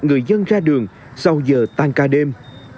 người dân ra đường sau giờ tan ca đêm